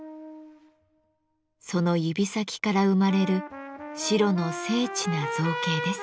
その指先から生まれる白の精緻な造形です。